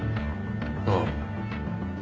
ああ。